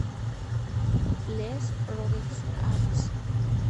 Les Rouges-Eaux